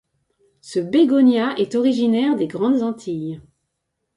Ce bégonia est originaire des Grandes Antilles.